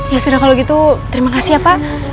ya sudah kalau gitu terima kasih ya pak